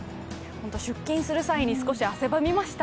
出勤する際に少し汗ばみました。